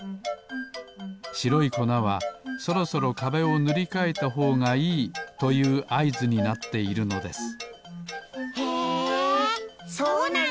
しろいこなはそろそろかべをぬりかえたほうがいいというあいずになっているのですへえそうなんだ！